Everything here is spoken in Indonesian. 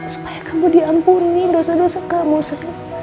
supaya kamu diampuni dosa dosa kamu sekali